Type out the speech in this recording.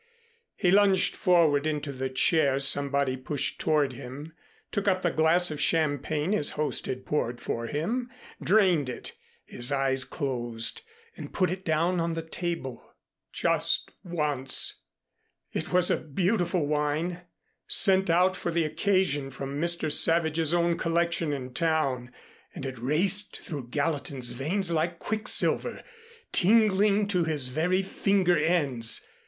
He lunged forward into the chair somebody pushed toward him, took up the glass of champagne his host had poured for him, drained it, his eyes closed, and put it down on the table. Just once! It was a beautiful wine sent out for the occasion from Mr. Savage's own collection in town, and it raced through Gallatin's veins like quicksilver, tingling to his very finger ends.